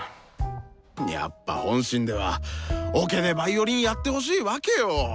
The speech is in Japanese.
やっぱ本心ではオケでヴァイオリンやってほしいわけよ！